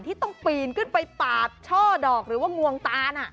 ที่ต้องปีนขึ้นไปปาดช่อดอกหรือว่างวงตาน